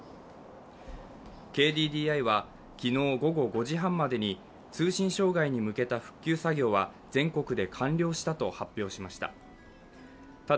ＫＤＤＩは昨日午後５時半までに通信障害に向けた復旧作業は全国で完了したと発表しました。